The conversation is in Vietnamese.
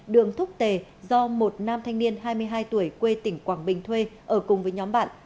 đường thúc tề do một nam thanh niên hai mươi hai tuổi quê tỉnh quảng bình thuê ở cùng với nhóm bạn